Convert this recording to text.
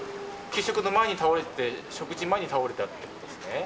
給食の前に倒れて、食事前に倒れたということですね。